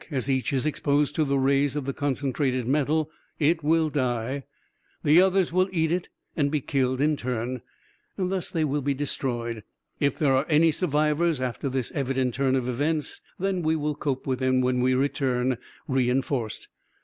As each is exposed to the rays of the concentrated metal, it will die. The others will eat it, and be killed in turn. Thus, they will be destroyed. If there are any survivors after this evident turn of events, then we will cope with them when we return, reinforced.